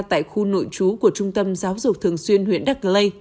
tại khu nội trú của trung tâm giáo dục thường xuyên huyện đắk lê